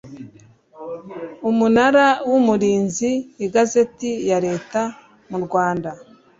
umunara w umurinzi igazeti yareta murwanda